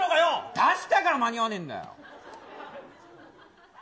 出したから間に合わねえんだよ。